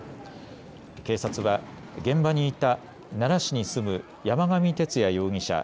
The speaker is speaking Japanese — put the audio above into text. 警察は現場にいた奈良市に住む山上徹也容疑者